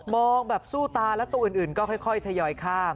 แบบสู้ตาแล้วตัวอื่นก็ค่อยทยอยข้าม